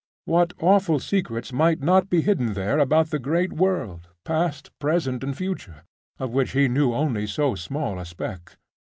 What awful secrets might not be hidden there about the great world, past, present, and future, of which he knew only so small a speck?